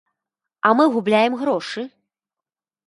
А мы губляем грошы?